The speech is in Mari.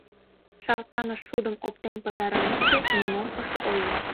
Шартаныш шудым оптен пытарымешке, нимом ыш ойло.